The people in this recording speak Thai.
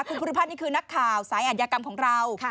คุณภูริพัฒน์นี่คือนักข่าวสายอัธยากรรมของเรา